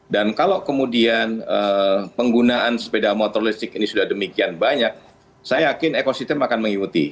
dan kalau kemudian penggunaan sepeda motor listrik ini sudah demikian banyak saya yakin ekosistem akan mengikuti